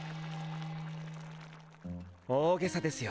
大げさですよ。